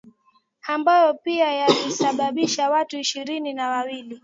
ambayo pia yalisababisha watu ishirini na wawili